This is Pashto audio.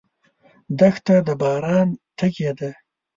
دښته د باران تږې ده.